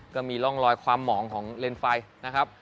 ก็มีร่องรอยความหมองของเลนไฟนะครับ